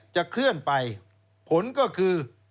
จะเคลื่อนไปผลก็คือ